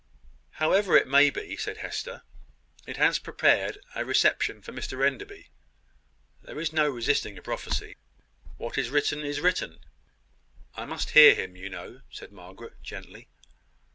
"However it may be," said Hester, "it has prepared a reception for Mr Enderby. There is no resisting a prophecy. What is written is written." "I must hear him, you know," said Margaret, gently.